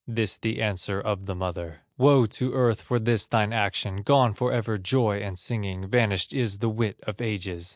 This the answer of the mother: "Woe to earth for this thine action, Gone forever, joy and singing, Vanished is the wit of ages!